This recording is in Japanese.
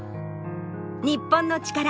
『日本のチカラ』